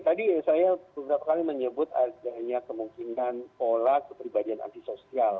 tadi saya beberapa kali menyebut adanya kemungkinan pola kepribadian antisosial